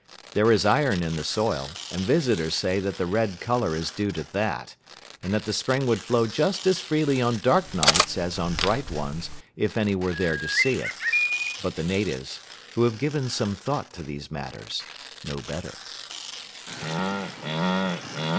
There is iron in the soil, and visitors say that the red color is due to that, and that the spring would flow just as freely on dark nights as on bright ones, if any were there to see it, but the natives, who have given some thought to these matters, know better.